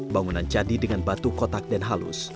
bangunan candi dengan batu kotak dan halus